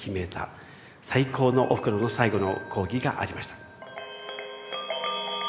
最高のおふくろの最後の講義がありました。